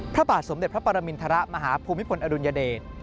พระบาทสมเด็จพระปรมินทรมาฮภูมิพลอดุลยเดช